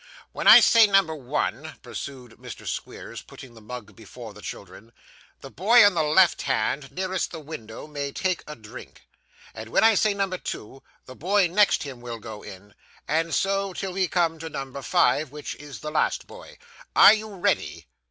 'When I say number one,' pursued Mr. Squeers, putting the mug before the children, 'the boy on the left hand nearest the window may take a drink; and when I say number two, the boy next him will go in, and so till we come to number five, which is the last boy. Are you ready?